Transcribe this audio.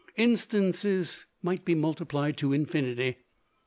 Instances might be multiplied to infinity.